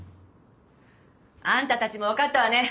あんたたちもわかったわね？